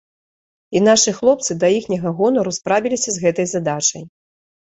І нашы хлопцы да іхняга гонару справіліся з гэтай задачай.